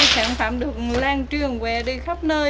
sản phẩm được lan truyền về đi khắp nơi